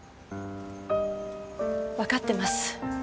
わかってます。